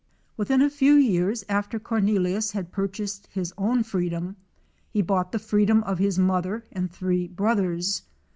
Within a few years after Cornelius had purchased his own freedom he bought the freedom of his mother and three brothers.